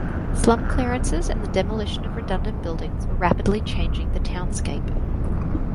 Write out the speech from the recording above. Slum clearances and the demolition of redundant buildings were rapidly changing the townscape.